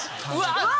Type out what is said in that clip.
うわ！